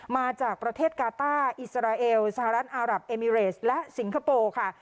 มาจากประเทศกาต้าอิสราเอลสหรัฐอารับเอมิเรสและสิงคโปร์ค่ะ